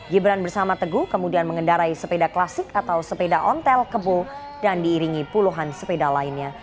gibran bersama teguh kemudian mengendarai sepeda klasik atau sepeda ontel kebo dan diiringi puluhan sepeda lainnya